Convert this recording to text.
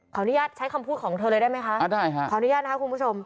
อนุญาตใช้คำพูดของเธอเลยได้ไหมคะได้ค่ะขออนุญาตนะคะคุณผู้ชม